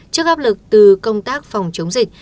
trước áp lực từ công tác phòng chống dịch